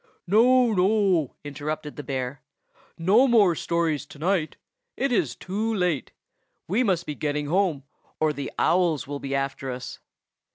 "No, no!" interrupted the bear. "No more stories to night. It is too late. We must be getting home, or the owls will be after us."